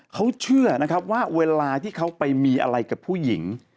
เขาเชื่อนะครับว่าเวลาที่เขาไปมีอะไรกับผู้หญิง